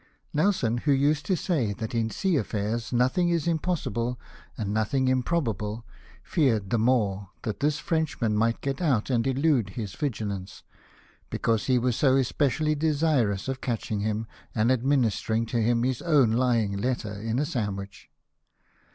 Nelson, who used to say that in sea affairs nothing is impossible, and nothing imnrobable, feared the more that this Frenchman might get out and elude his vigilance, because he was so especially desirous of catching him, and administering to him his own lying letter in a sandwich.